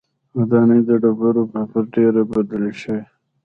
ودانۍ د ډبرو پر ډېرۍ بدلې شوې.